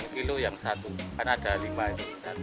sembilan kg yang satu kan ada lima yang sembilan kg